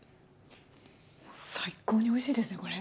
最高においしいですねこれ。